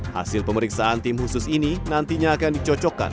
hasil pemeriksaan tim khusus ini nantinya akan dicocokkan